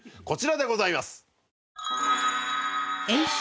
こちらでございます。